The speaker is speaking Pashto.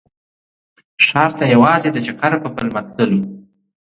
ښار ته یوازې د چکر په پلمه تللو.